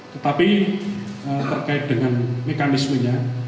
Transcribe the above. tetapi terkait dengan mekanismenya